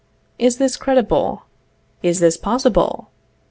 Is this credible? Is this possible?